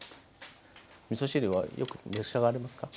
みそ汁はよく召し上がりますか？